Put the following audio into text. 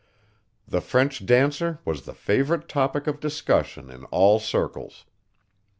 The French dancer was the favorite topic of discussion in all circles.